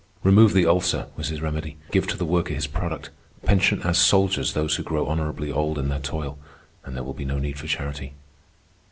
Remove the ulcer, was his remedy; give to the worker his product; pension as soldiers those who grow honorably old in their toil, and there will be no need for charity.